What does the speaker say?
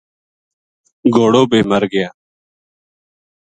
گھوڑو بے مر گیا